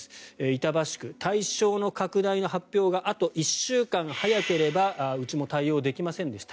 板橋区は対象の拡大の発表があと１週間早ければうちも対応できませんでした